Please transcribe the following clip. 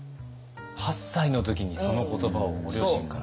８歳の時にその言葉をご両親から。